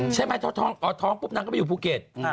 ใช่ไหมถ้าท้องอ่อท้องปุ๊บนั้นก็ไปอยู่ภูเก็ต